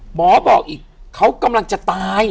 หมอบอกอีกเขากำลังจะตาย